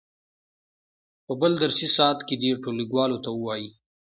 په بل درسي ساعت کې دې ټولګیوالو ته ووایي.